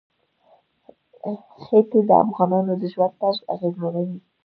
ښتې د افغانانو د ژوند طرز اغېزمنوي.